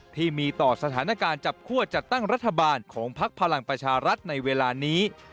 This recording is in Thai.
ที่มีต่อสถานการณ์จับคั่วจัดตั้งรัฐบาลของพักพลังประชารัฐในเวลานี้